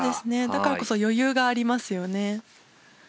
だからこそ余裕がありますよね。